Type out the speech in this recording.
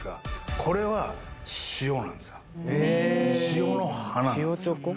これは塩の花なんですよ